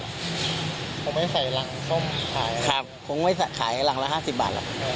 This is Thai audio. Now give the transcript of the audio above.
คงไม่ใส่หลังส้มขายครับคงไม่ขายหลังละห้าสิบบาทหรอก